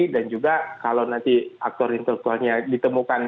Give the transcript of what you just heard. dan juga kalau nanti aktor intelektualnya ditemukan